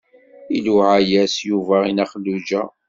Iluɛa-yas Yuba i Nna Xelluǧa.